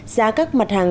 giá các mặt hàng